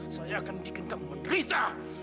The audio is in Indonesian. saya akan bikin kamu menderita